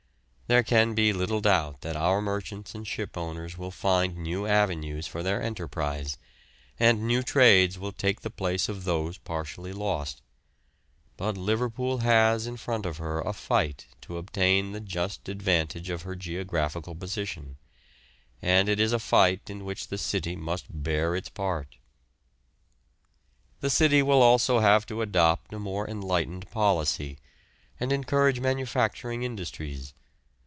There can be little doubt that our merchants and shipowners will find new avenues for their enterprise, and new trades will take the place of those partially lost; but Liverpool has in front of her a fight to obtain the just advantage of her geographical position, and it is a fight in which the city must bear its part. The city will also have to adopt a more enlightened policy, and encourage manufacturing industries.